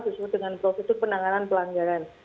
sesuai dengan prosedur penanganan pelanggaran